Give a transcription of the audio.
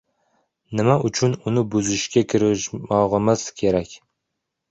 Nima uchun uni buzishga kirishmog‘ingiz kerak?